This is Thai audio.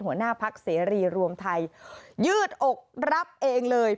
หัวหน้าพักเสรีรวมไทยยืดอกรับเองเลย